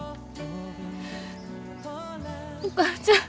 お母ちゃん！